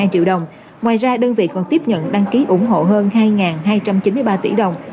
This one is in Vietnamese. hai triệu đồng ngoài ra đơn vị còn tiếp nhận đăng ký ủng hộ hơn hai hai trăm chín mươi ba tỷ đồng